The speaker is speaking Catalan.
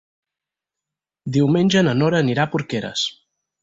Diumenge na Nora anirà a Porqueres.